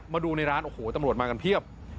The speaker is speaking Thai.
มาดูในร้านโอ้โหตำรวจมากันเพียบ